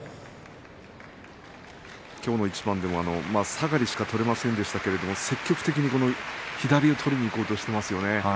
今日の一番もさがりしか取れませんでしたけれども積極的に左を取りにいこうとしていますよね。